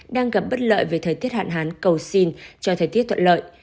đang gặp bất lợi về thời tiết hạn hán cầu xin cho thời tiết thuận lợi